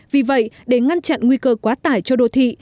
vì vậy để ngăn chặn nguy cơ quá tải cho đô thị